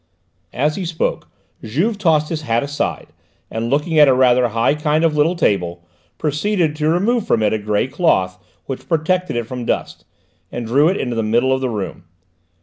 As he spoke Juve tossed his hat aside and, looking at a rather high kind of little table, proceeded to remove from it a grey cloth which protected it from dust, and drew it into the middle of the room.